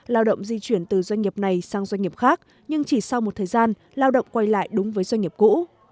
lao động di chuyển từ doanh nghiệp này sang doanh nghiệp khác nhưng chỉ sau một thời gian lao động quay lại đúng với doanh nghiệp cũ